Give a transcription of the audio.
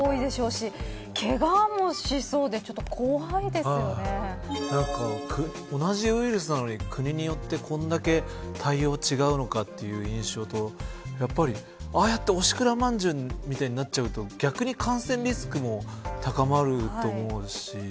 しけがもしそうで同じウイルスなのに国によってこれだけ対応が違うのかという印象とああやって、おしくらまんじゅうみたいになっちゃうと逆に感染リスクも高まると思うし。